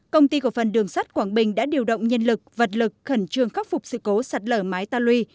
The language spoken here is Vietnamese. công ty cổ phần đường sắt quảng bình đã điều động nhân lực vật lực khẩn trương khắc phục sự cố sạt lở mái ta lui